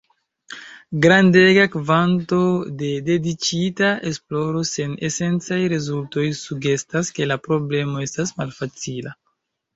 Grandega kvanto de dediĉita esploro sen esencaj rezultoj sugestas ke la problemo estas malfacila.